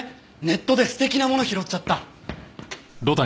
ネットで素敵なもの拾っちゃった。